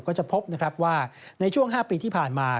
ก็จะพบว่าในช่วง๕ปีที่ผ่านมา